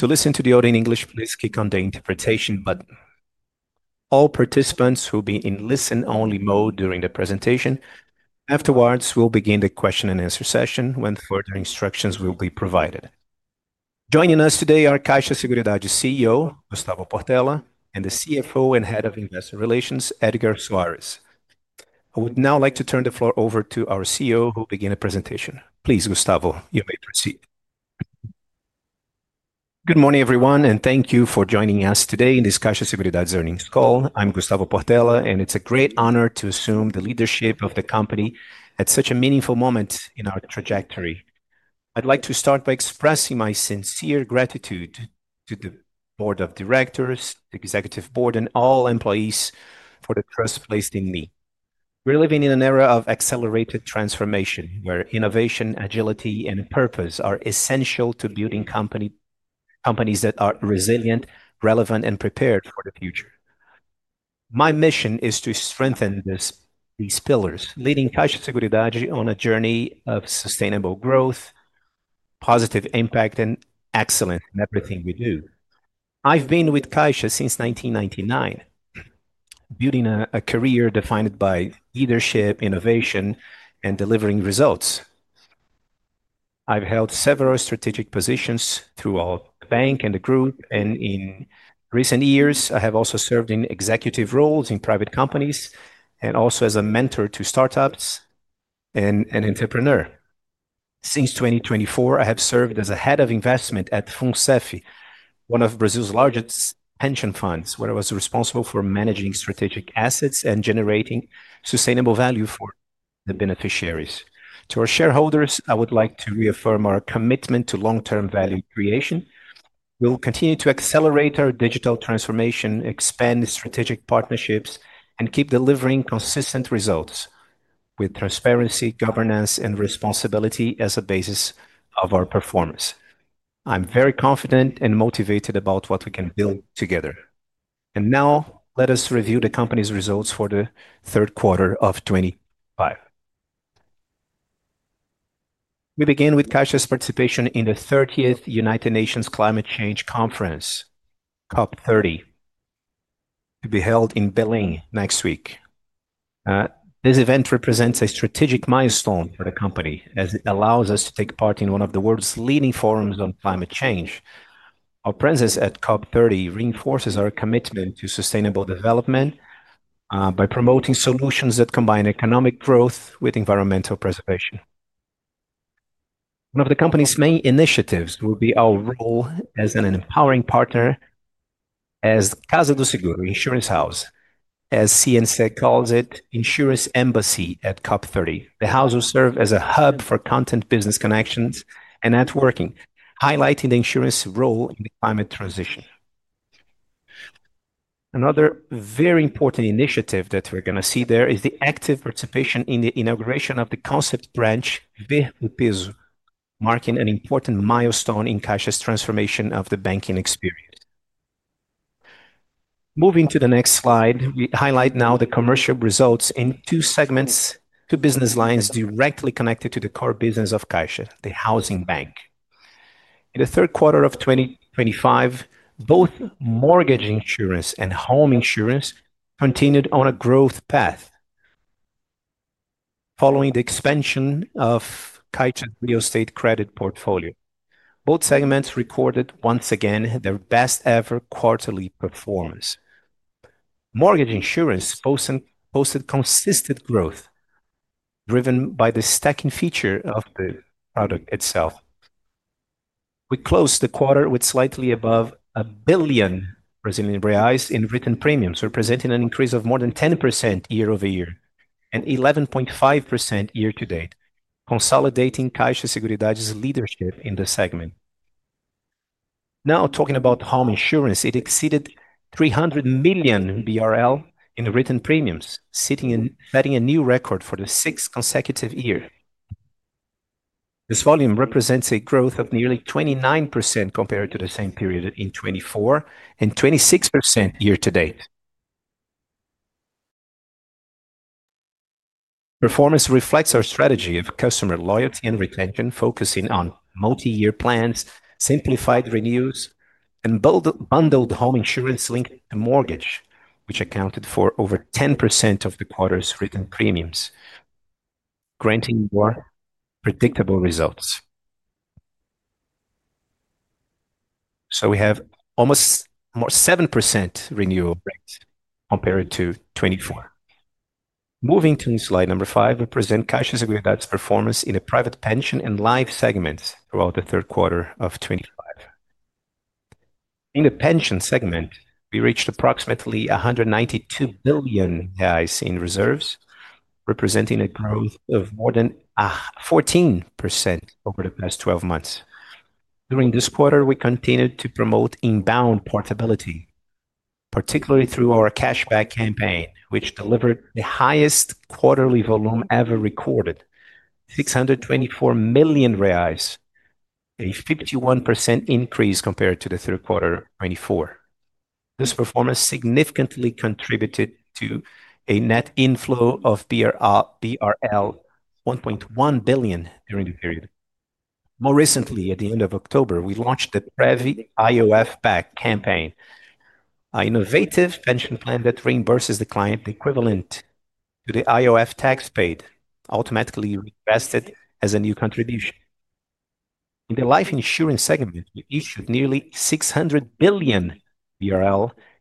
To listen to the audio in English, please click on the interpretation button. All participants will be in listen-only mode during the presentation. Afterwards, we'll begin the question-and-answer session when further instructions will be provided. Joining us today are CAIXA Seguridade's CEO, Gustavo Portela, and the CFO and Head of Investor Relations, Edgar Soares. I would now like to turn the floor over to our CEO, who will begin the presentation. Please, Gustavo, you may proceed. Good morning, everyone, and thank you for joining us today in this CAIXA Seguridade's earnings call. I'm Gustavo Portela, and it's a great honor to assume the leadership of the company at such a meaningful moment in our trajectory. I'd like to start by expressing my sincere gratitude to the Board of Directors, the Executive Board, and all employees for the trust placed in me. We're living in an era of accelerated transformation, where innovation, agility, and purpose are essential to building companies that are resilient, relevant, and prepared for the future. My mission is to strengthen these pillars, leading CAIXA Seguridade on a journey of sustainable growth, positive impact, and excellence in everything we do. I've been with CAIXA since 1999, building a career defined by leadership, innovation, and delivering results. I've held several strategic positions throughout the bank and the group, and in recent years, I have also served in executive roles in private companies and also as a mentor to startups and an entrepreneur. Since 2024, I have served as Head of Investment at FUNCEF, one of Brazil's largest pension funds, where I was responsible for managing strategic assets and generating sustainable value for the beneficiaries. To our shareholders, I would like to reaffirm our commitment to long-term value creation. We'll continue to accelerate our digital transformation, expand strategic partnerships, and keep delivering consistent results with transparency, governance, and responsibility as a basis of our performance. I'm very confident and motivated about what we can build together. Now, let us review the company's results for the third quarter of 2025. We begin with CAIXA's participation in the 30th United Nations Climate Change Conference, COP30, to be held in Berlin next week. This event represents a strategic milestone for the company, as it allows us to take part in one of the world's leading forums on climate change. Our presence at COP30 reinforces our commitment to sustainable development by promoting solutions that combine economic growth with environmental preservation. One of the company's main initiatives will be our role as an empowering partner, as Casa do Seguro, Insurance House, as CNC calls it, insurance embassy at COP30. The house will serve as a hub for content, business connections, and networking, highlighting the insurance role in the climate transition. Another very important initiative that we're going to see there is the active participation in the inauguration of the concept branch, Ver-o-Peso, marking an important milestone in CAIXA's transformation of the banking experience. Moving to the next slide, we highlight now the commercial results in two segments, two business lines directly connected to the core business of CAIXA, the housing bank. In the third quarter of 2025, both mortgage insurance and home insurance continued on a growth path following the expansion of CAIXA's real estate credit portfolio. Both segments recorded, once again, their best-ever quarterly performance. Mortgage insurance posted consistent growth, driven by the stacking feature of the product itself. We closed the quarter with slightly above 1 billion Brazilian reais in written premiums, representing an increase of more than 10% year-over-year and 11.5% year-to-date, consolidating CAIXA Seguridade's leadership in the segment. Now, talking about home insurance, it exceeded 300 million BRL in written premiums, setting a new record for the sixth consecutive year. This volume represents a growth of nearly 29% compared to the same period in 2024 and 26% year-to-date. Performance reflects our strategy of customer loyalty and retention, focusing on multi-year plans, simplified renews, and bundled home insurance linked to mortgage, which accounted for over 10% of the quarter's written premiums, granting more predictable results. We have almost 7% renewal rates compared to 2024. Moving to slide number five, we present CAIXA Seguridade's performance in the private pension and life segments throughout the third quarter of 2025. In the pension segment, we reached approximately 192 billion in reserves, representing a growth of more than 14% over the past 12 months. During this quarter, we continued to promote inbound portability, particularly through our cashback campaign, which delivered the highest quarterly volume ever recorded, 624 million reais, a 51% increase compared to the third quarter of 2024. This performance significantly contributed to a net inflow of BRL 1.1 billion during the period. More recently, at the end of October, we launched the Prev IOF Back campaign, an innovative pension plan that reimburses the client the equivalent to the IOF tax paid, automatically requested as a new contribution. In the life insurance segment, we issued nearly 600 million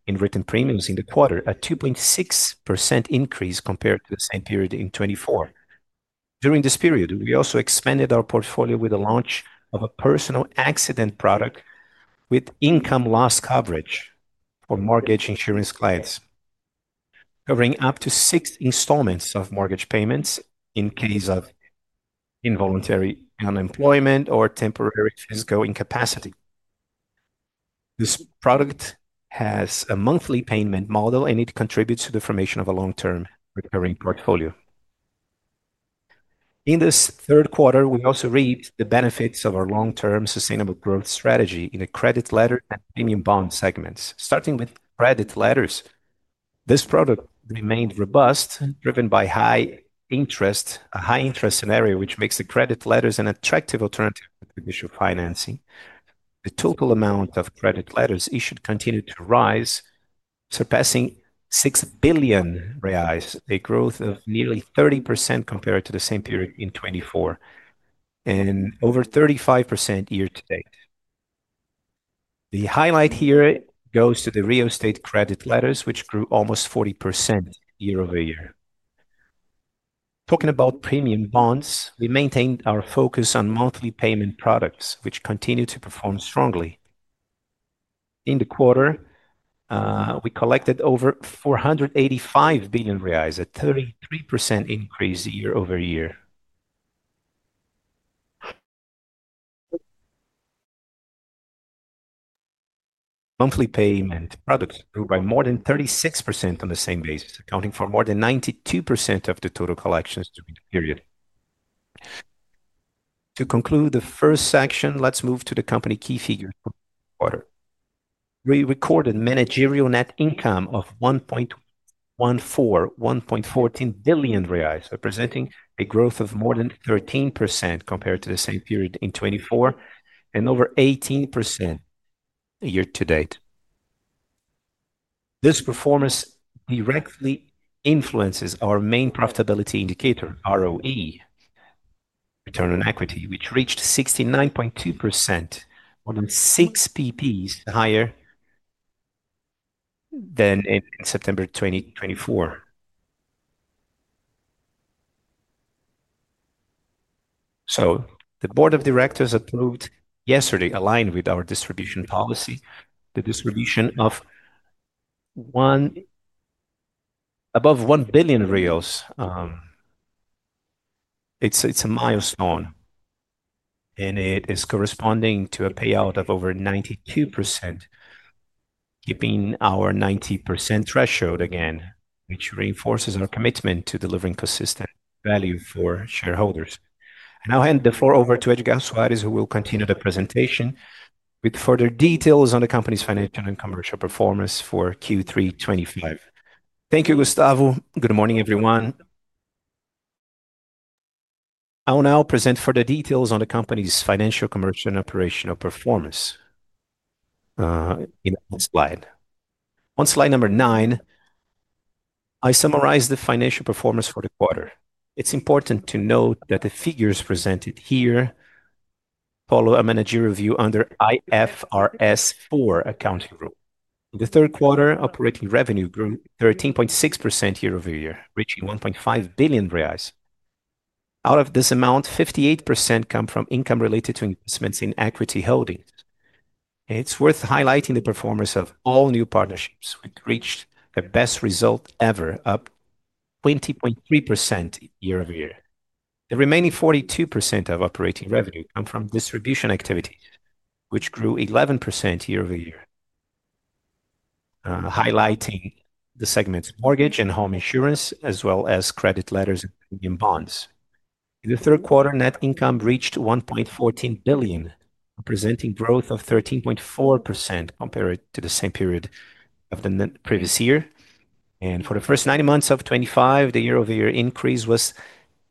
in written premiums in the quarter, a 2.6% increase compared to the same period in 2024. During this period, we also expanded our portfolio with the launch of a personal accident product with income loss coverage for mortgage insurance clients, covering up to six installments of mortgage payments in case of involuntary unemployment or temporary physical incapacity. This product has a monthly payment model, and it contributes to the formation of a long-term recurring portfolio. In this third quarter, we also reaped the benefits of our long-term sustainable growth strategy in the credit letter and premium bond segments. Starting with credit letters, this product remained robust, driven by a high-interest scenario, which makes the credit letters an attractive alternative to initial financing. The total amount of credit letters issued continued to rise, surpassing 6 billion reais, a growth of nearly 30% compared to the same period in 2024, and over 35% year-to-date. The highlight here goes to the real estate credit letters, which grew almost 40% year-over-year. Talking about premium bonds, we maintained our focus on monthly payment products, which continue to perform strongly. In the quarter, we collected over 485 billion reais, a 33% increase year-over-year. Monthly payment products grew by more than 36% on the same basis, accounting for more than 92% of the total collections during the period. To conclude the first section, let's move to the company key figures for the quarter. We recorded managerial net income of 1.14 billion reais, representing a growth of more than 13% compared to the same period in 2024, and over 18% year-to-date. This performance directly influences our main profitability indicator, ROE, return on equity, which reached 69.2%, more than 6 percentage points higher than in September 2024. The Board of Directors approved yesterday, aligned with our distribution policy, the distribution of above BRL 1 billion. It is a milestone, and it is corresponding to a payout of over 92%, keeping our 90% threshold again, which reinforces our commitment to delivering consistent value for shareholders. I will hand the floor over to Edgar Soares, who will continue the presentation with further details on the company's financial and commercial performance for Q3 2025. Thank you, Gustavo. Good morning, everyone. I will now present further details on the company's financial, commercial, and operational performance in the next slide. On slide number nine, I summarized the financial performance for the quarter. It is important to note that the figures presented here follow a managerial view under IFRS 4 accounting rule. In the third quarter, operating revenue grew 13.6% year-over-year, reaching 1.5 billion reais. Out of this amount, 58% come from income related to investments in equity holdings. It's worth highlighting the performance of all new partnerships, which reached the best result ever, up 20.3% year-over-year. The remaining 42% of operating revenue come from distribution activities, which grew 11% year-over-year, highlighting the segments mortgage and home insurance, as well as credit letters and premium bonds. In the third quarter, net income reached 1.14 billion, representing growth of 13.4% compared to the same period of the previous year. For the first nine months of 2025, the year-over-year increase was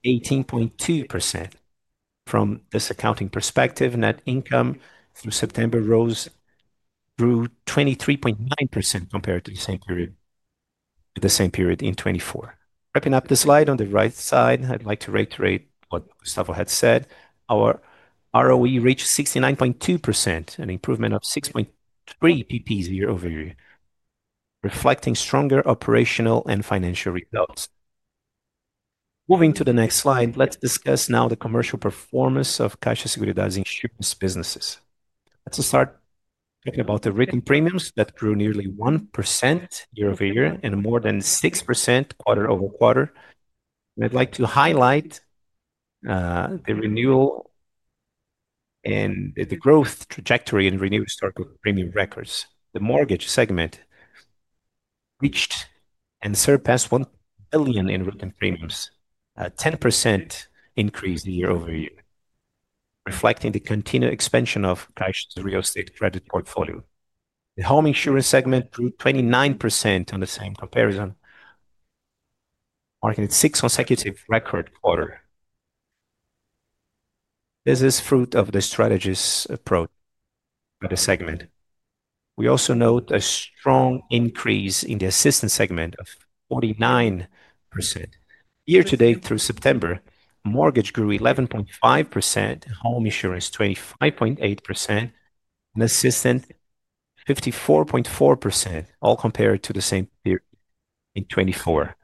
18.2%. From this accounting perspective, net income through September rose 23.9% compared to the same period, the same period in 2024. Wrapping up the slide on the right side, I'd like to reiterate what Gustavo had said. Our ROE reached 69.2%, an improvement of 6.3 percentage points year-over-year, reflecting stronger operational and financial results. Moving to the next slide, let's discuss now the commercial performance of CAIXA Seguridade's insurance businesses. Let's start talking about the written premiums that grew nearly 1% year-over-year and more than 6% quarter-over-quarter. I'd like to highlight the renewal and the growth trajectory and renewal historical premium records. The mortgage segment reached and surpassed 1 billion in written premiums, a 10% increase year-over-year, reflecting the continued expansion of CAIXA's real estate credit portfolio. The home insurance segment grew 29% on the same comparison, marking its sixth consecutive record quarter. This is fruit of the strategist's approach for the segment. We also note a strong increase in the assistance segment of 49% year-to-date through September, mortgage grew 11.5%, home insurance 25.8%, and assistance 54.4%, all compared to the same period in 2024.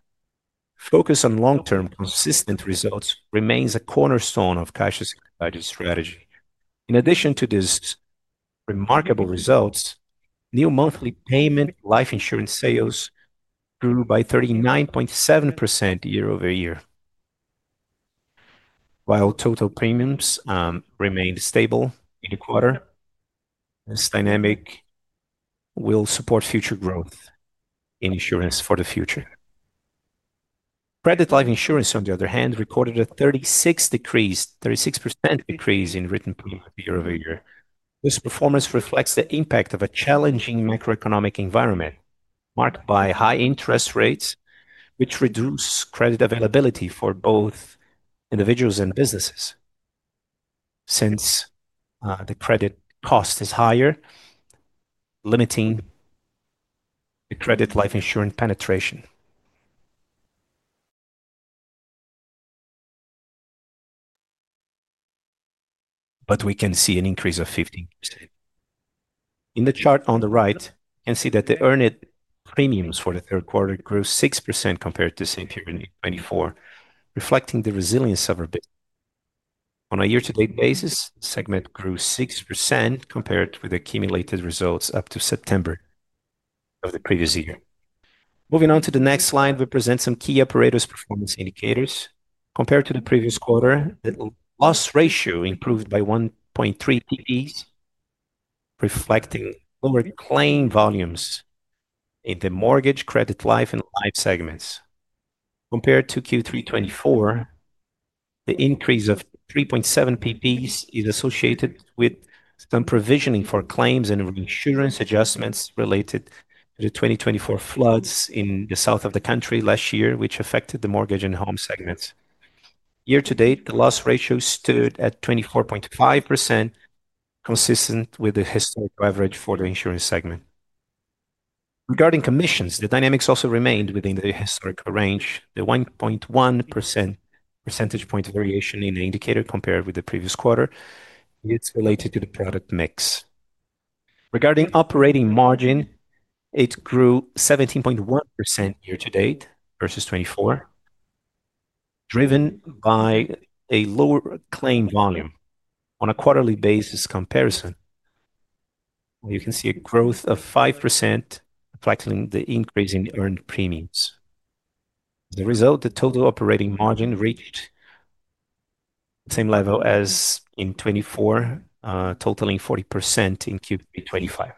Focus on long-term consistent results remains a cornerstone of CAIXA Seguridade's strategy. In addition to these remarkable results, new monthly payment life insurance sales grew by 39.7% year-over-year, while total payments remained stable in the quarter. This dynamic will support future growth in insurance for the future. Credit life insurance, on the other hand, recorded a 36% decrease in written premiums year-over-year. This performance reflects the impact of a challenging macroeconomic environment marked by high interest rates, which reduce credit availability for both individuals and businesses. Since the credit cost is higher, limiting the credit life insurance penetration. We can see an increase of 15%. In the chart on the right, you can see that the earned premiums for the third quarter grew 6% compared to the same period in 2024, reflecting the resilience of our business. On a year-to-date basis, the segment grew 6% compared with the accumulated results up to September of the previous year. Moving on to the next slide, we present some key operators' performance indicators. Compared to the previous quarter, the loss ratio improved by 1.3 percentage points, reflecting lower claim volumes in the mortgage, credit life, and life segments. Compared to Q3 2024, the increase of 3.7 percentage points is associated with some provisioning for claims and reinsurance adjustments related to the 2024 floods in the south of the country last year, which affected the mortgage and home segments. year-to-date, the loss ratio stood at 24.5%, consistent with the historic average for the insurance segment. Regarding commissions, the dynamics also remained within the historical range. The 1.1 percentage point variation in the indicator compared with the previous quarter is related to the product mix. Regarding operating margin, it grew 17.1% year-to-date versus 2024, driven by a lower claim volume. On a quarterly basis comparison, you can see a growth of 5%, reflecting the increase in earned premiums. As a result, the total operating margin reached the same level as in 2024, totaling 40% in Q3 2025.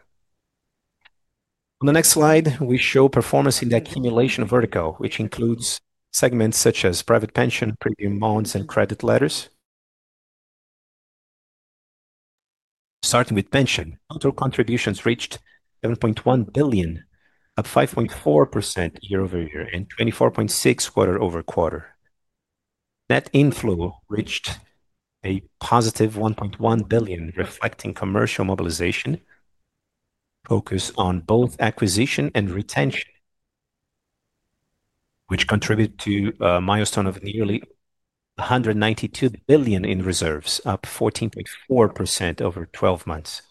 On the next slide, we show performance in the accumulation vertical, which includes segments such as private pension, premium bonds, and credit letters. Starting with pension, total contributions reached 7.1 billion, up 5.4% year-over-year and 24.6% quarter-over-quarter. Net inflow reached a positive 1.1 billion, reflecting commercial mobilization focused on both acquisition and retention, which contributed to a milestone of nearly 192 billion in reserves, up 14.4% over 12 months.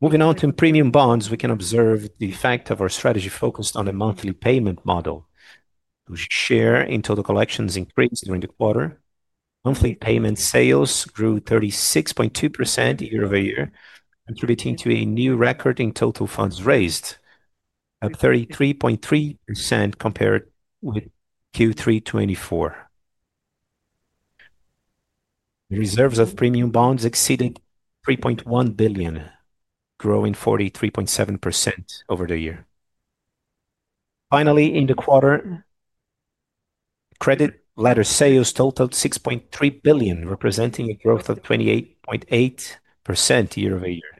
Moving on to premium bonds, we can observe the effect of our strategy focused on a monthly payment model. The share in total collections increased during the quarter. Monthly payment sales grew 36.2% year-over-year, contributing to a new record in total funds raised, up 33.3% compared with Q3 2024. The reserves of premium bonds exceeded 3.1 billion, growing 43.7% over the year. Finally, in the quarter, credit letter sales totaled 6.3 billion, representing a growth of 28.8% year-over-year.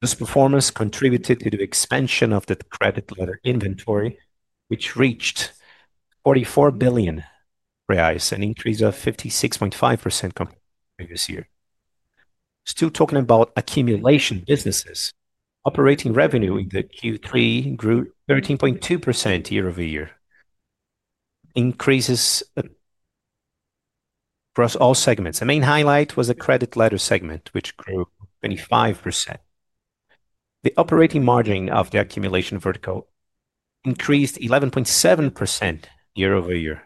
This performance contributed to the expansion of the credit letter inventory, which reached 44 billion reais, an increase of 56.5% compared to the previous year. Still talking about accumulation businesses, operating revenue in the Q3 grew 13.2% year-over-year, increases across all segments. The main highlight was the credit letter segment, which grew 25%. The operating margin of the accumulation vertical increased 11.7% year-over-year,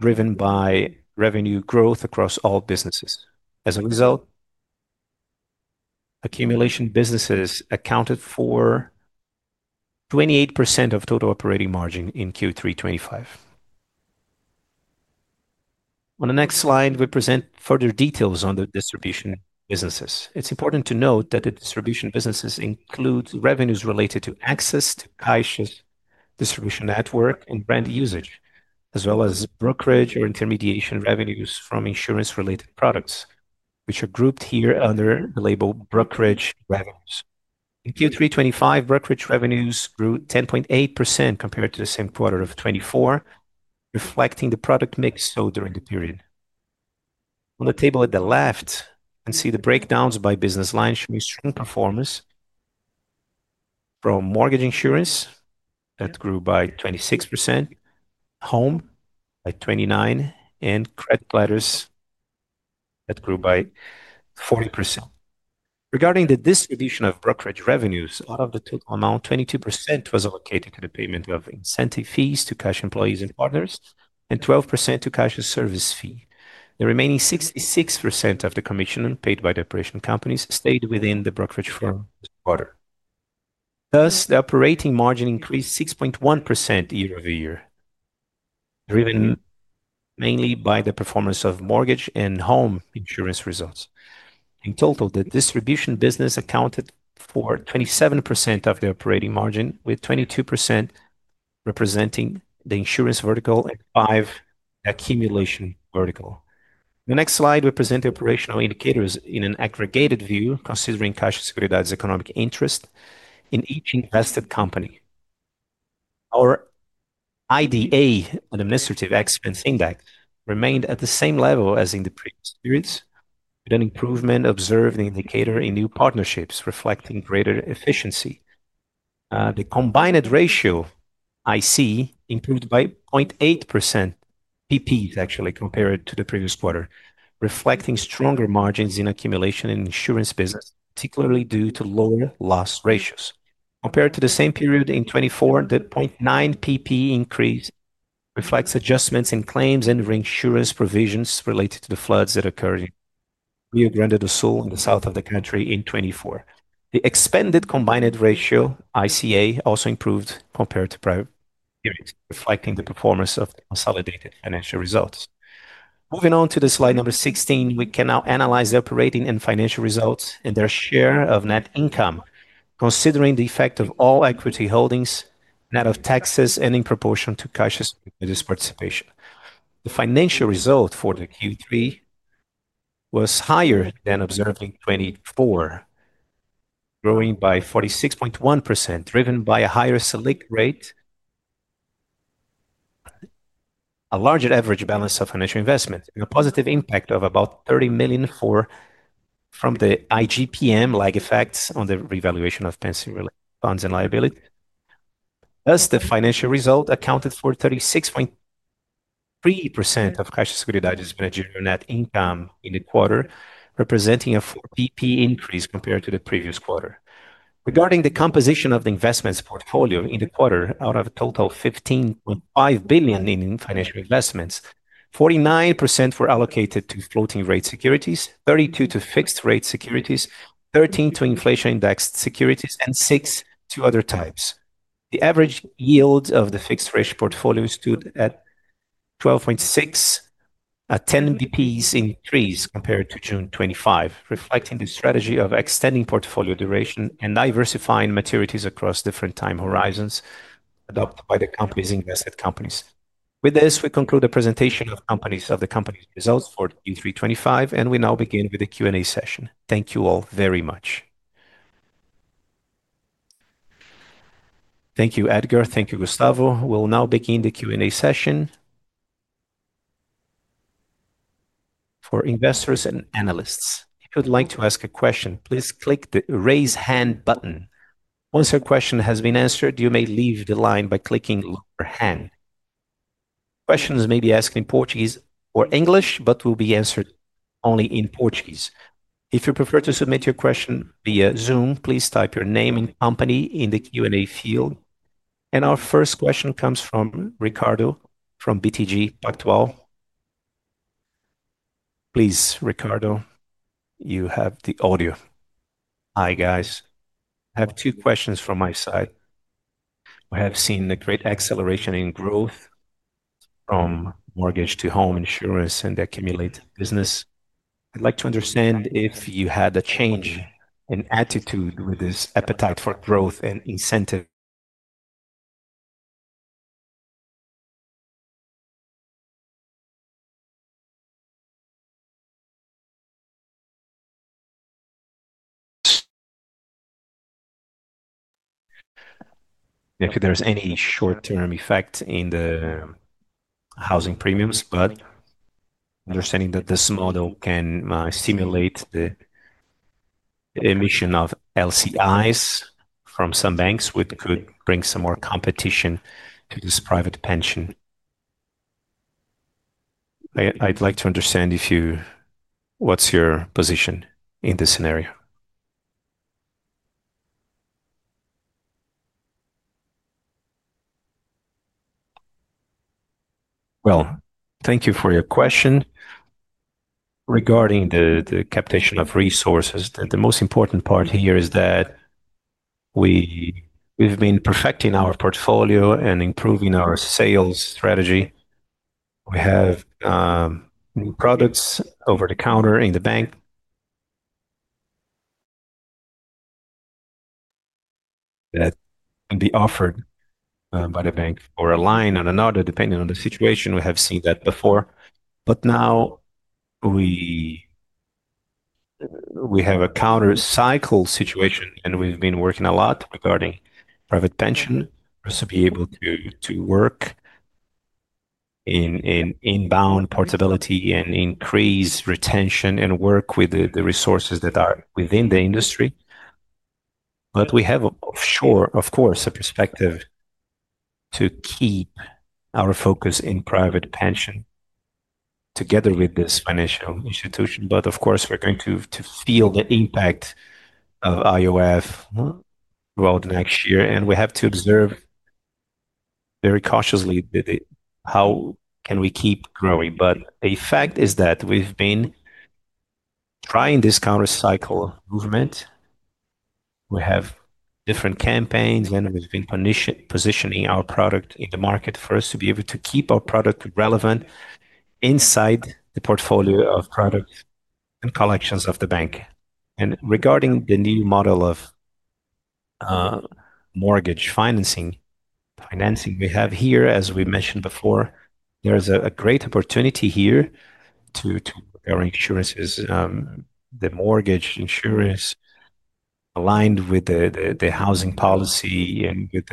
driven by revenue growth across all businesses. As a result, accumulation businesses accounted for 28% of total operating margin in Q3 2025. On the next slide, we present further details on the distribution businesses. It's important to note that the distribution businesses include revenues related to access to CAIXA's distribution network and brand usage, as well as brokerage or intermediation revenues from insurance-related products, which are grouped here under the label brokerage revenues. In Q3 2025, brokerage revenues grew 10.8% compared to the same quarter of 2024, reflecting the product mix showed during the period. On the table at the left, you can see the breakdowns by business lines showing strong performance from mortgage insurance that grew by 26%, home by 29%, and credit letters that grew by 40%. Regarding the distribution of brokerage revenues, out of the total amount, 22% was allocated to the payment of incentive fees to CAIXA employees and partners, and 12% to CAIXA's service fee. The remaining 66% of the commission paid by the operation companies stayed within the brokerage firm this quarter. Thus, the operating margin increased 6.1% year-over-year, driven mainly by the performance of mortgage and home insurance results. In total, the distribution business accounted for 27% of the operating margin, with 22% representing the insurance vertical and five the accumulation vertical. The next slide represents the operational indicators in an aggregated view, considering CAIXA Seguridade's economic interest in each invested company. Our IDA, an administrative expense index, remained at the same level as in the previous periods, with an improvement observed in the indicator in new partnerships, reflecting greater efficiency. The combined ratio IC improved by 0.8 percentage points, actually, compared to the previous quarter, reflecting stronger margins in accumulation and insurance business, particularly due to lower loss ratios. Compared to the same period in 2024, the 0.9 percentage point increase reflects adjustments in claims and reinsurance provisions related to the floods that occurred in Rio Grande do Sul in the South of the country in 2024. The expanded combined ratio ICA also improved compared to prior periods, reflecting the performance of the consolidated financial results. Moving on to the slide number 16, we can now analyze the operating and financial results and their share of net income, considering the effect of all equity holdings, net of taxes, and in proportion to CAIXA's participation. The financial result for the Q3 was higher than observed in 2024, growing by 46.1%, driven by a higher select rate, a larger average balance of financial investment, and a positive impact of about 30 million from the IGPM-like effects on the revaluation of pension-related funds and liabilities. Thus, the financial result accounted for 36.3% of CAIXA Seguridade's net income in the quarter, representing a 4 percentage point increase compared to the previous quarter. Regarding the composition of the investments portfolio in the quarter, out of a total of 15.5 billion in financial investments, 49% were allocated to floating-rate securities, 32% to fixed-rate securities, 13% to inflation-indexed securities, and 6% to other types. The average yield of the fixed-rate portfolio stood at 12.6%, a 10 percentage points increase compared to June 2025, reflecting the strategy of extending portfolio duration and diversifying maturities across different time horizons adopted by the company's invested companies. With this, we conclude the presentation of companies of the company's results for Q3 2025, and we now begin with the Q&A session. Thank you all very much. Thank you, Edgar. Thank you, Gustavo. We'll now begin the Q&A session. For investors and analysts, if you'd like to ask a question, please click the raise hand button. Once your question has been answered, you may leave the line by clicking lower hand. Questions may be asked in Portuguese or English, but will be answered only in Portuguese. If you prefer to submit your question via Zoom, please type your name and company in the Q&A field. Our first question comes from Ricardo from BTG Pactual. Please, Ricardo, you have the audio. Hi, guys. I have two questions from my side. I have seen a great acceleration in growth from mortgage to home insurance and the accumulated business. I'd like to understand if you had a change in attitude with this appetite for growth and incentive. If there's any short-term effect in the housing premiums, but understanding that this model can simulate the emission of LCIs from some banks, which could bring some more competition to this private pension. I'd like to understand if you what's your position in this scenario. Thank you for your question. Regarding the capitation of resources, the most important part here is that we've been perfecting our portfolio and improving our sales strategy. We have new products over the counter in the bank that can be offered by the bank for a line or another, depending on the situation. We have seen that before. Now we have a counter-cycle situation, and we've been working a lot regarding private pensioners to be able to work in inbound portability and increase retention and work with the resources that are within the industry. We have, of course, a perspective to keep our focus in private pension together with this financial institution. Of course, we're going to feel the impact of IOF throughout next year, and we have to observe very cautiously how can we keep growing. The fact is that we've been trying this counter-cycle movement. We have different campaigns, and we've been positioning our product in the market first to be able to keep our product relevant inside the portfolio of products and collections of the bank. Regarding the new model of mortgage financing, we have here, as we mentioned before, there is a great opportunity here to put our insurances, the mortgage insurance, aligned with the housing policy and with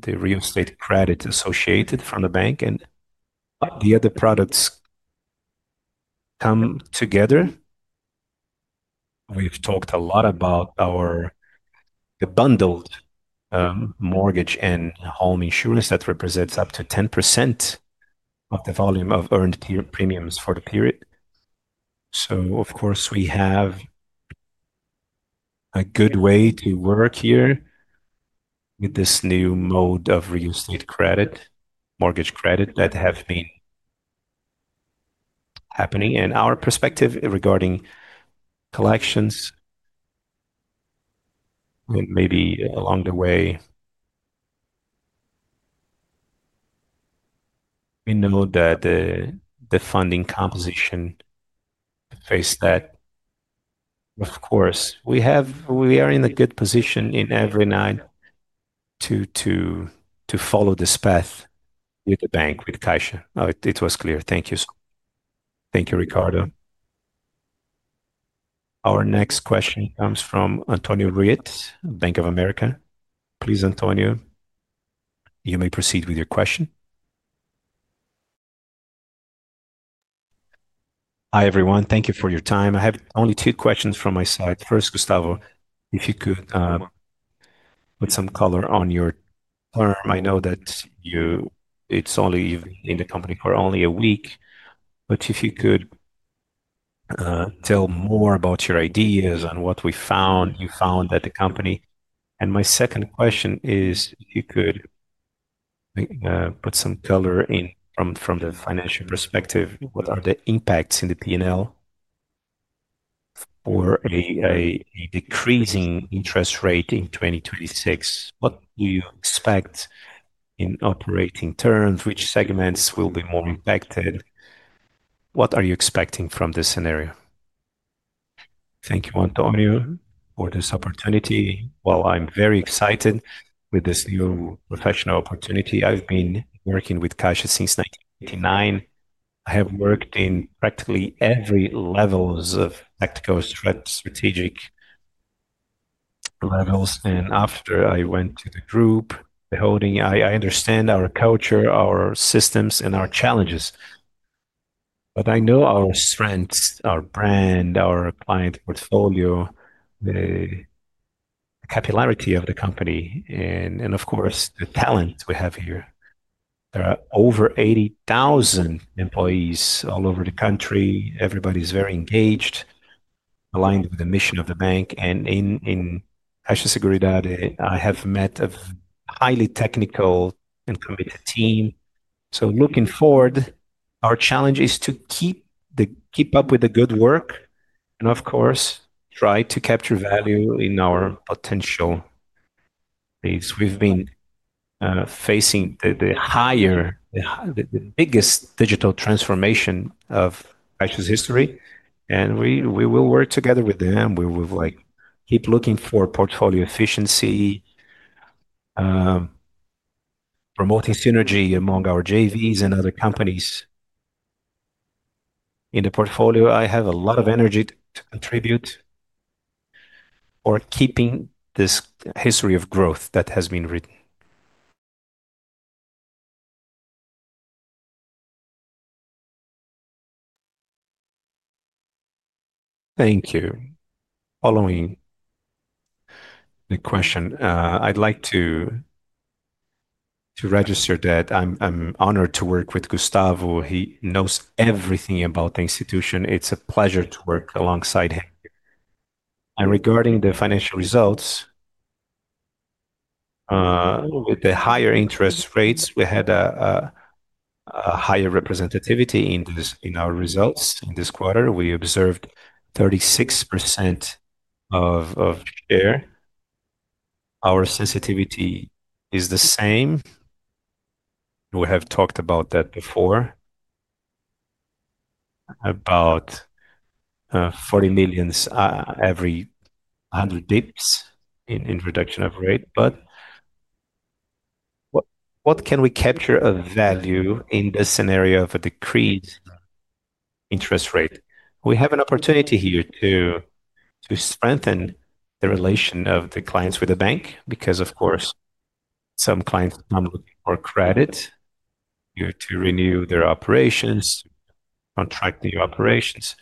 the real estate credit associated from the bank. The other products come together. We've talked a lot about our bundled mortgage and home insurance that represents up to 10% of the volume of earned premiums for the period. Of course, we have a good way to work here with this new mode of real estate credit, mortgage credit that has been happening. Our perspective regarding collections, and maybe along the way, we know that the funding composition faced that. Of course, we are in a good position every night to follow this path with the bank, with CAIXA. It was clear. Thank you. Thank you, Ricardo. Our next question comes from Antonio Riet, Bank of America. Please, Antonio, you may proceed with your question. Hi, everyone. Thank you for your time. I have only two questions from my side. First, Gustavo, if you could put some color on your term. I know that it's only in the company for only a week, but if you could tell more about your ideas and what we found, you found at the company. And my second question is, if you could put some color in from the financial perspective, what are the impacts in the P&L for a decreasing interest rate in 2026? What do you expect in operating terms? Which segments will be more impacted? What are you expecting from this scenario? Thank you, Antonio, for this opportunity. I am very excited with this new professional opportunity. I have been working with CAIXA since 1989. I have worked in practically every level of tactical and strategic levels. After I went to the group, the holding, I understand our culture, our systems, and our challenges. I know our strengths, our brand, our client portfolio, the capillarity of the company, and of course, the talent we have here. There are over 80,000 employees all over the country. Everybody is very engaged, aligned with the mission of the bank. In CAIXA Seguridade, I have met a highly technical and committed team. Looking forward, our challenge is to keep up with the good work and, of course, try to capture value in our potential. We've been facing the biggest digital transformation of CAIXA's history, and we will work together with them. We will keep looking for portfolio efficiency, promoting synergy among our JVs and other companies. In the portfolio, I have a lot of energy to contribute for keeping this history of growth that has been written. Thank you. Following the question, I'd like to register that I'm honored to work with Gustavo. He knows everything about the institution. It's a pleasure to work alongside him. Regarding the financial results, with the higher interest rates, we had a higher representativity in our results in this quarter. We observed 36% of share. Our sensitivity is the same. We have talked about that before, about 40 million every 100 basis points in reduction of rate. What can we capture of value in this scenario of a decreased interest rate? We have an opportunity here to strengthen the relation of the clients with the bank because, of course, some clients come looking for credit here to renew their operations, to contract new operations.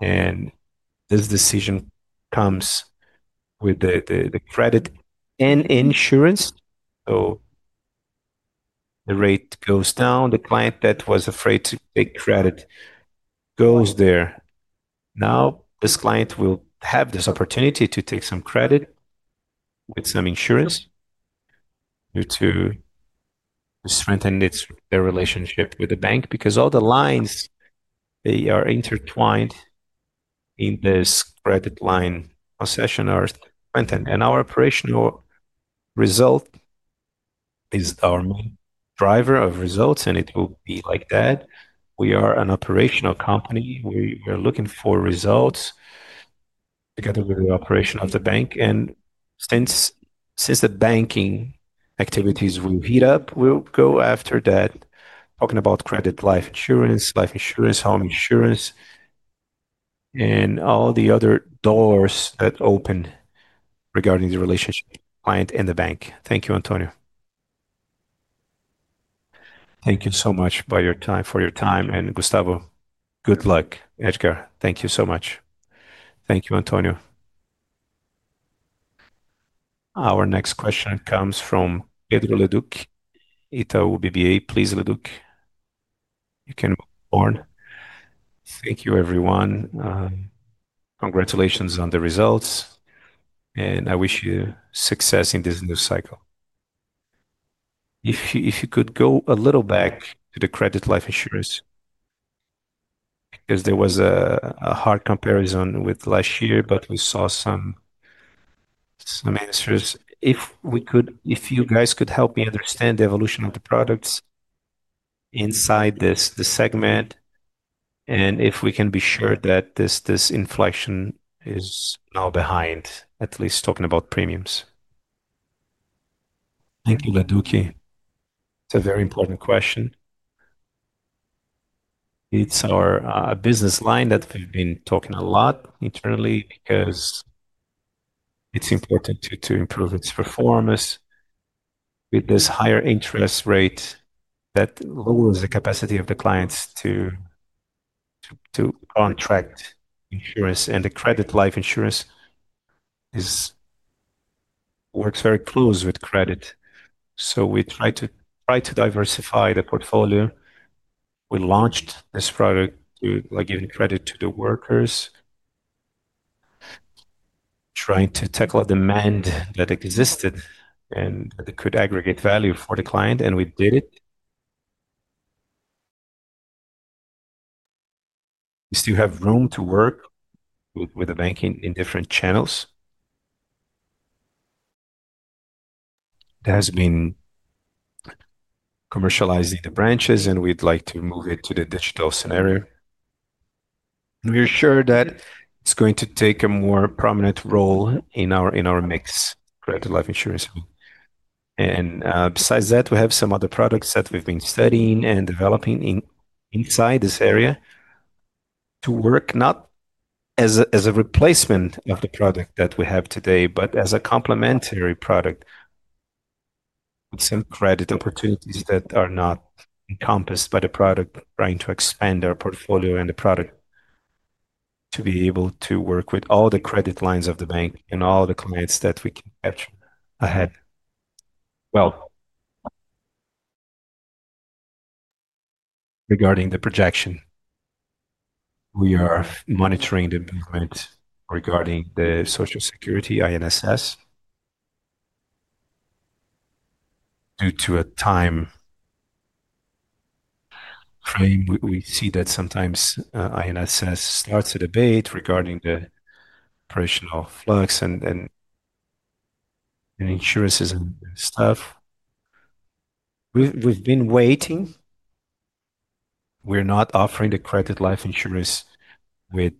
This decision comes with the credit and insurance. The rate goes down. The client that was afraid to take credit goes there. Now, this client will have this opportunity to take some credit with some insurance to strengthen their relationship with the bank because all the lines, they are intertwined in this credit line concession or strengthen. Our operational result is our main driver of results, and it will be like that. We are an operational company. We are looking for results together with the operation of the bank. Since the banking activities will heat up, we'll go after that, talking about credit life insurance, life insurance, home insurance, and all the other doors that open regarding the relationship with the client and the bank. Thank you, Antonio. Thank you so much for your time. And Gustavo, good luck, Edgar. Thank you so much. Thank you, Antonio. Our next question comes from Pedro Leduc, Itaú BBA. Please, Leduc, you can move on. Thank you, everyone. Congratulations on the results, and I wish you success in this new cycle. If you could go a little back to the credit life insurance, because there was a hard comparison with last year, but we saw some answers. If you guys could help me understand the evolution of the products inside this segment, and if we can be sure that this inflection is now behind, at least talking about premiums. Thank you, Leduc. It's a very important question. It's our business line that we've been talking a lot internally because it's important to improve its performance with this higher interest rate that lowers the capacity of the clients to contract insurance. The credit life insurance works very close with credit. We try to diversify the portfolio. We launched this product to give credit to the workers, trying to tackle the demand that existed and that could aggregate value for the client, and we did it. We still have room to work with the bank in different channels. It has been commercialized in the branches, and we'd like to move it to the digital scenario. We're sure that it's going to take a more prominent role in our mixed credit life insurance. Besides that, we have some other products that we've been studying and developing inside this area to work not as a replacement of the product that we have today, but as a complementary product with some credit opportunities that are not encompassed by the product, trying to expand our portfolio and the product to be able to work with all the credit lines of the bank and all the clients that we can capture ahead. Regarding the projection, we are monitoring the movement regarding the Social Security, INSS. Due to a time frame, we see that sometimes INSS starts a debate regarding the operational flux and insurances and stuff. We've been waiting. We're not offering the credit life insurance with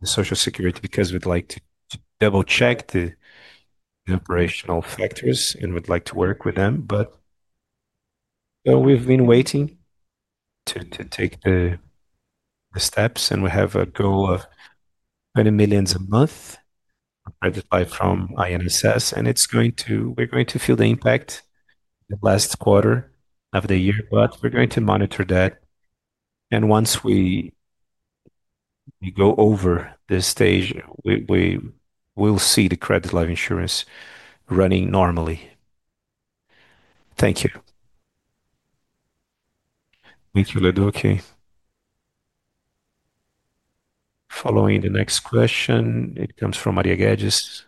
the Social Security because we'd like to double-check the operational factors and would like to work with them. We have been waiting to take the steps, and we have a goal of 20 million a month of credit life from INSS, and we are going to feel the impact the last quarter of the year, but we are going to monitor that. Once we go over this stage, we will see the credit life insurance running normally. Thank you. Thank you, Leduc. Following, the next question comes from Maria Guedes,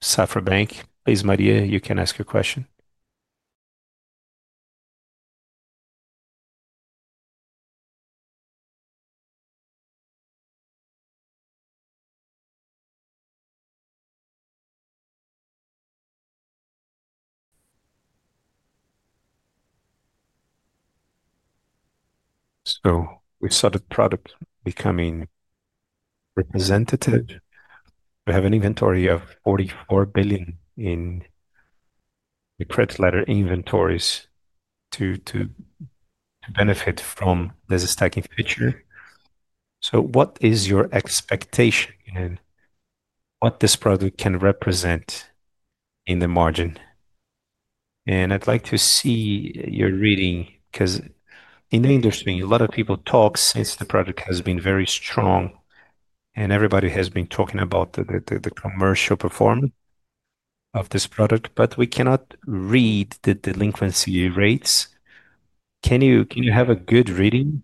Safra Bank. Please, Maria, you can ask your question. We saw the product becoming representative. We have an inventory of 44 billion in the credit letter inventories to benefit from this stacking feature. What is your expectation and what can this product represent in the margin? I'd like to see your reading because in the industry, a lot of people talk since the product has been very strong, and everybody has been talking about the commercial performance of this product, but we cannot read the delinquency rates. Can you have a good reading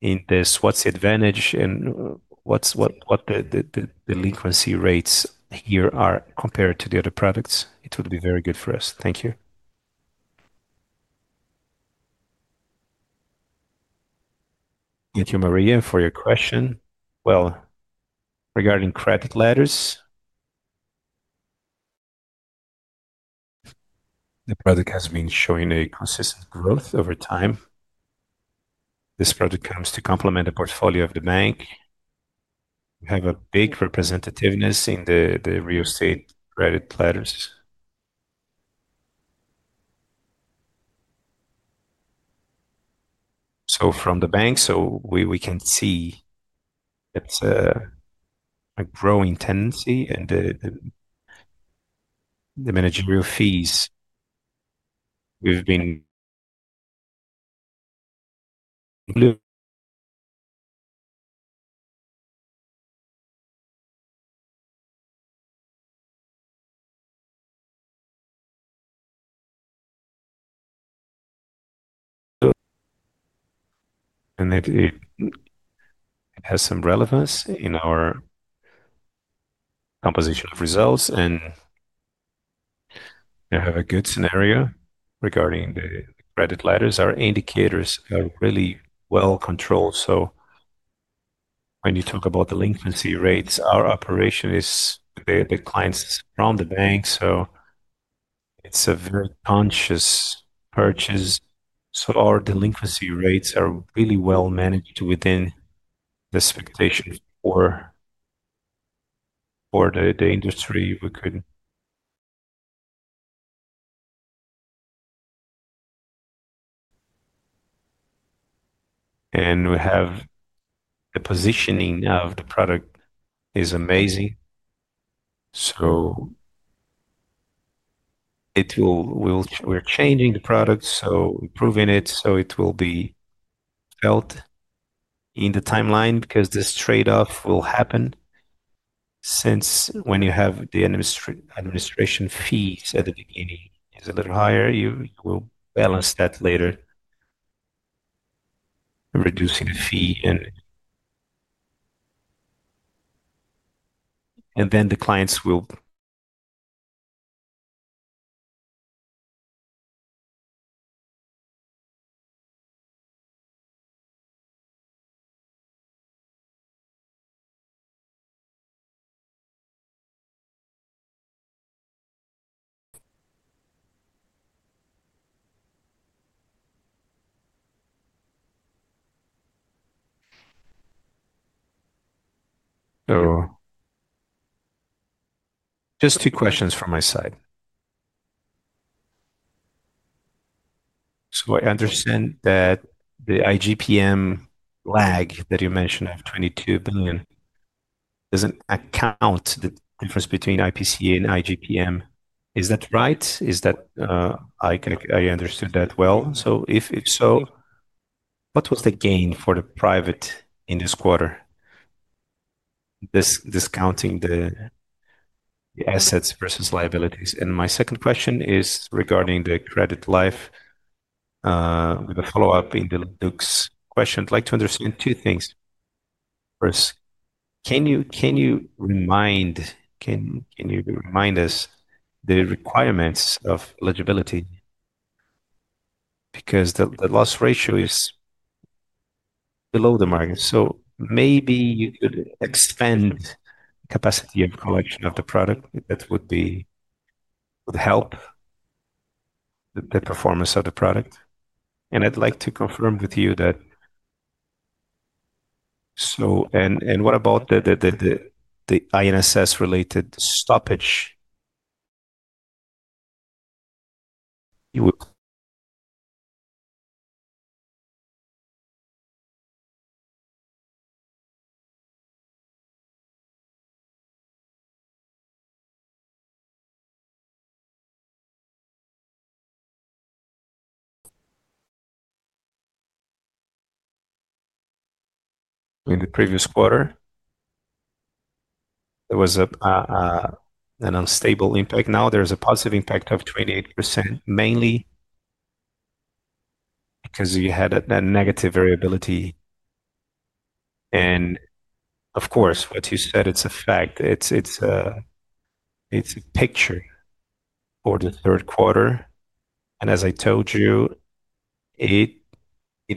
in this? What's the advantage and what the delinquency rates here are compared to the other products? It would be very good for us. Thank you. Thank you, Maria, for your question. Regarding credit letters, the product has been showing a consistent growth over time. This product comes to complement the portfolio of the bank. We have a big representativeness in the real estate credit letters. From the bank, we can see that's a growing tendency and the managerial fees we've been has some relevance in our composition of results. We have a good scenario regarding the credit letters. Our indicators are really well controlled. When you talk about delinquency rates, our operation is the clients from the bank. It is a very conscious purchase. Our delinquency rates are really well managed within the expectation for the industry. We have the positioning of the product is amazing. We are changing the product, improving it so it will be held in the timeline because this trade-off will happen since when you have the administration fees at the beginning is a little higher, you will balance that later reducing the fee. The clients will. Just two questions from my side. I understand that the IGPM lag that you mentioned of 22 billion does not account for the difference between IPCA and IGPM. Is that right? I understood that well. If so, what was the gain for the private in this quarter, discounting the assets versus liabilities? My second question is regarding the credit life. We have a follow-up in Leduc's question. I'd like to understand two things. First, can you remind us the requirements of eligibility? Because the loss ratio is below the margin. Maybe you could expand the capacity of collection of the product. That would help the performance of the product. I'd like to confirm with you that. What about the INSS-related stoppage? In the previous quarter, there was an unstable impact. Now there's a positive impact of 28%, mainly because you had a negative variability. Of course, what you said, it's a fact. It's a picture for the third quarter. As I told you, it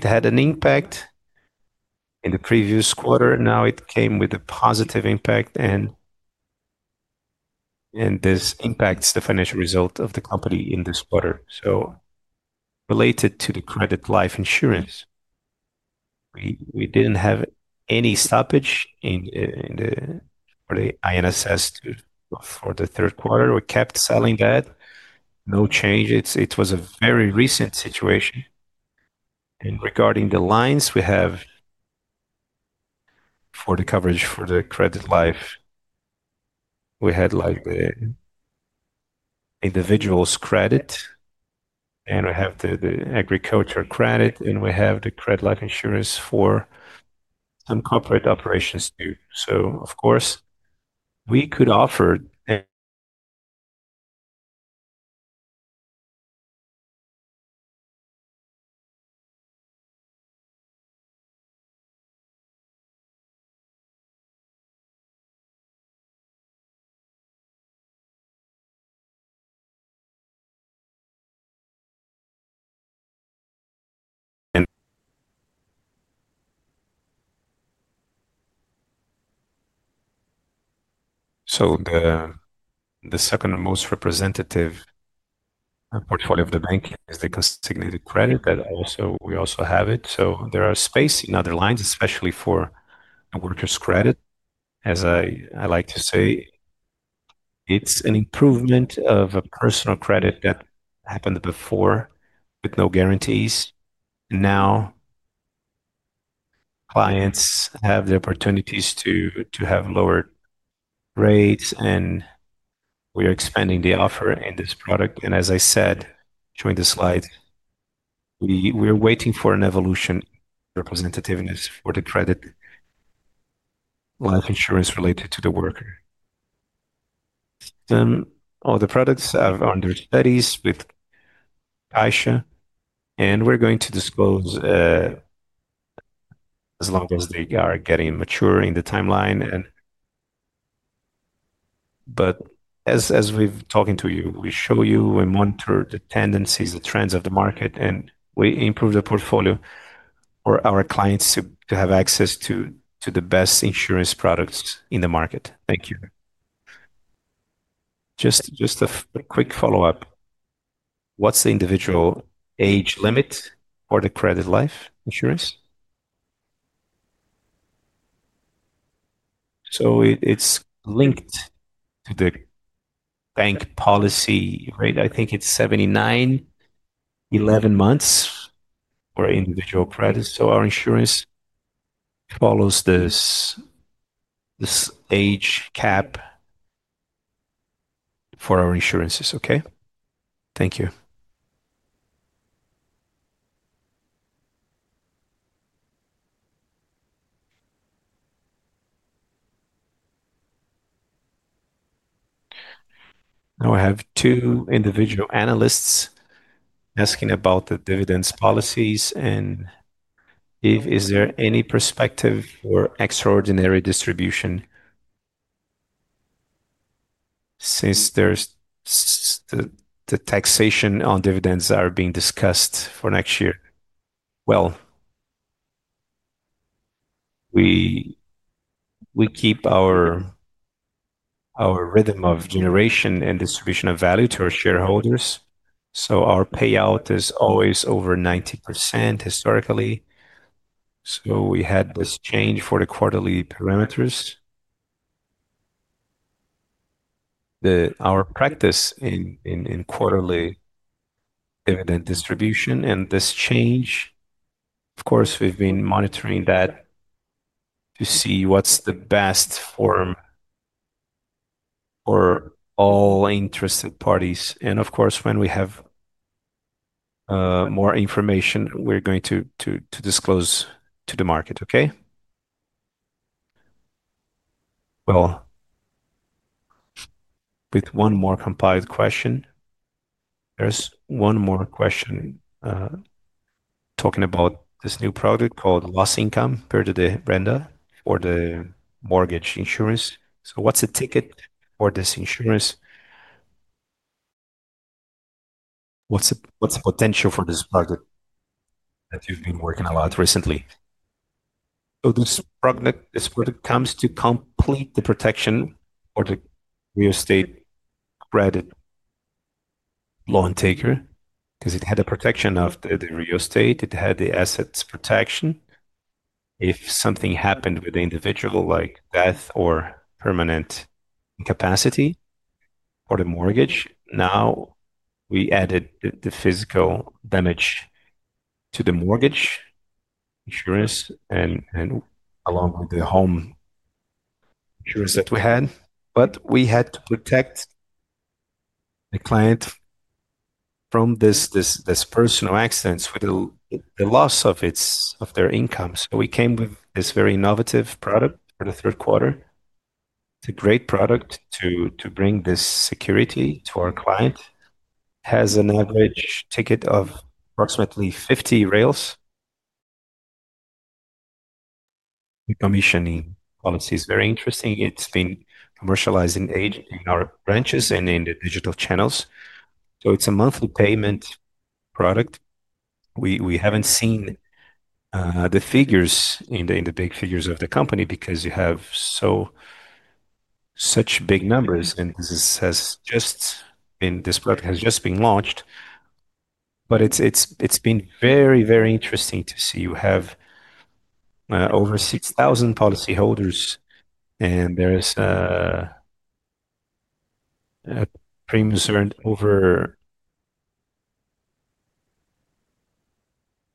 had an impact in the previous quarter. Now it came with a positive impact, and this impacts the financial result of the company in this quarter. Related to the credit life insurance, we did not have any stoppage in the INSS for the third quarter. We kept selling that. No change. It was a very recent situation. Regarding the lines, we have for the coverage for the credit life, we had the individual's credit, and we have the agriculture credit, and we have the credit life insurance for some corporate operations too. Of course, we could offer the second most representative portfolio of the bank, which is the consignment credit that we also have. There are space in other lines, especially for workers' credit. As I like to say, it is an improvement of a personal credit that happened before with no guarantees. Now clients have the opportunities to have lower rates, and we are expanding the offer in this product. As I said, during the slides, we are waiting for an evolution representativeness for the credit life insurance related to the worker. All the products are under studies with CAIXA, and we're going to disclose as long as they are getting mature in the timeline. As we've been talking to you, we show you and monitor the tendencies, the trends of the market, and we improve the portfolio for our clients to have access to the best insurance products in the market. Thank you. Just a quick follow-up. What's the individual age limit for the credit life insurance? It is linked to the bank policy, right? I think it's 79 years, 11 months for individual credit. Our insurance follows this age cap for our insurances. Okay. Thank you. Now I have two individual analysts asking about the dividends policies. Is there any perspective for extraordinary distribution since the taxation on dividends is being discussed for next year? We keep our rhythm of generation and distribution of value to our shareholders. Our payout is always over 90% historically. We had this change for the quarterly parameters. Our practice in quarterly dividend distribution and this change, of course, we've been monitoring that to see what's the best form for all interested parties. Of course, when we have more information, we're going to disclose to the market. Okay. With one more compliance question, there's one more question talking about this new product called Loss Income for the Renda for the mortgage insurance. What's the ticket for this insurance? What's the potential for this project that you've been working a lot recently? This product comes to complete the protection for the real estate credit law and taker because it had the protection of the real estate. It had the assets protection. If something happened with the individual like death or permanent incapacity for the mortgage, now we added the physical damage to the mortgage insurance along with the home insurance that we had. We had to protect the client from this personal accident with the loss of their income. We came with this very innovative product for the third quarter. It's a great product to bring this security to our client. It has an average ticket of approximately 50. The commissioning policy is very interesting. It's been commercialized in our branches and in the digital channels. It's a monthly payment product. We have not seen the figures in the big figures of the company because you have such big numbers. This has just been, this product has just been launched. It has been very, very interesting to see. You have over 6,000 policyholders, and there is a premium over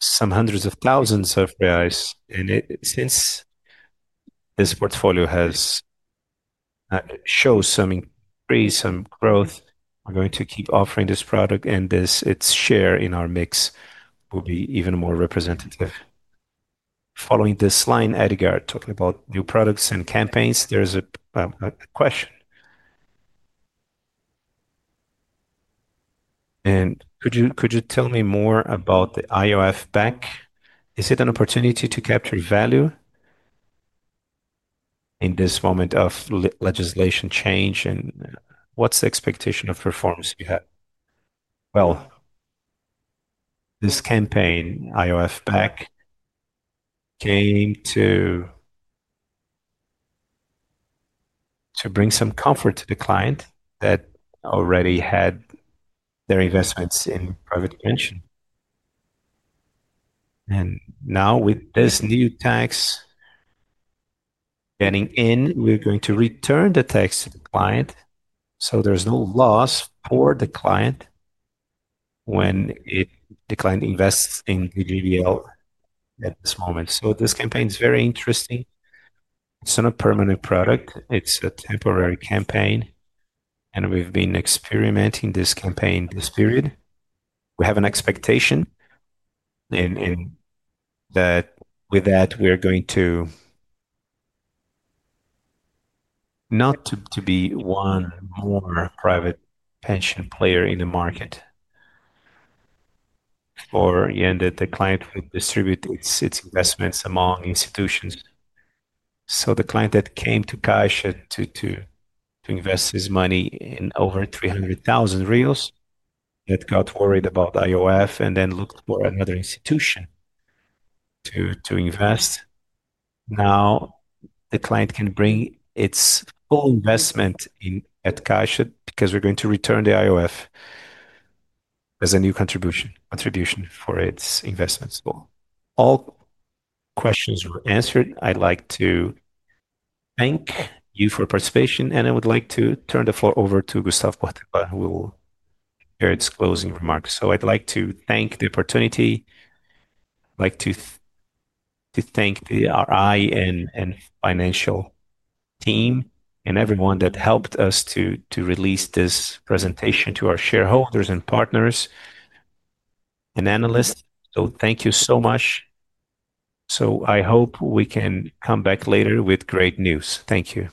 some hundreds of thousands of BRL. Since this portfolio has shown some growth, we are going to keep offering this product, and its share in our mix will be even more representative. Following this line, Edgar, talking about new products and campaigns, there is a question. Could you tell me more about the IOF Bank? Is it an opportunity to capture value in this moment of legislation change? What is the expectation of performance we have? This campaign, IOF Bank, came to bring some comfort to the client that already had their investments in private pension. Now with this new tax getting in, we're going to return the tax to the client. There is no loss for the client when the client invests in the GBL at this moment. This campaign is very interesting. It is not a permanent product. It is a temporary campaign. We have been experimenting with this campaign this period. We have an expectation that with that, we are going to not to be one more private pension player in the market for the end that the client would distribute its investments among institutions. The client that came to CAIXA to invest his money in over 300,000 that got worried about IOF and then looked for another institution to invest, now the client can bring its full investment at CAIXA because we are going to return the IOF as a new contribution for its investments. All questions were answered. I'd like to thank you for participation, and I would like to turn the floor over to Gustavo Portela. We'll hear his closing remarks. I'd like to thank the opportunity. I'd like to thank the RI and financial team and everyone that helped us to release this presentation to our shareholders and partners and analysts. Thank you so much. I hope we can come back later with great news. Thank you.